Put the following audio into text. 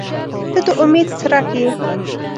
• ته د امید څرک یې.